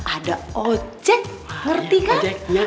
ada ojek ngerti kan